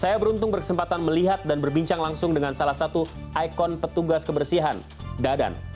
saya beruntung berkesempatan melihat dan berbincang langsung dengan salah satu ikon petugas kebersihan dadan